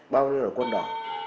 bao nhiêu là quân đỏ